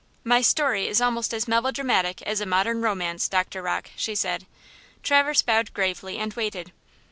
"My story is almost as melodramatic as a modern romance, Doctor Rocke," she said. Traverse bowed gravely and waited.